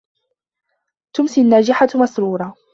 تُمْسِي النَّاجِحَةُ مَسْرُورَةً.